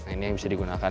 ini yang bisa digunakan